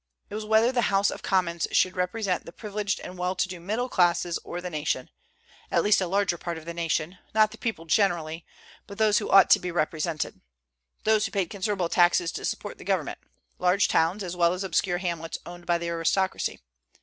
It was whether the House of Commons should represent the privileged and well to do middle classes or the nation, at least a larger part of the nation; not the people generally, but those who ought to be represented, those who paid considerable taxes to support the government; large towns, as well as obscure hamlets owned by the aristocracy.